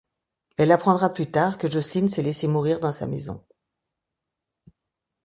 Elle apprendra plus tard que Jocelyn s'est laissé mourir dans sa maison...